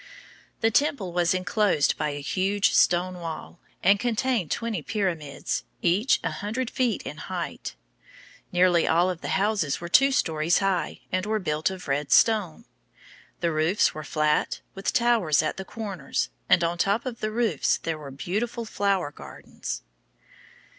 The temple was inclosed by a huge stone wall, and contained twenty pyramids, each a hundred feet in height. Nearly all of the houses were two stories high, and were built of red stone. The roofs were flat, with towers at the corners, and on top of the roofs there were beautiful flower gardens.